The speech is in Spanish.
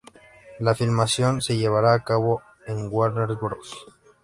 La filmación se llevará a cabo en Warner Bros.